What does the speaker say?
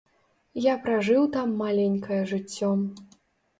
Я пражыў там маленькае жыццё.